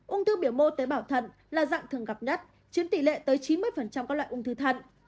ung thư biểu mô tế bào thận là dạng thường gặp nhất chiếm tỷ lệ tới chín mươi các loại ung thư thận